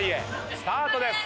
スタートです。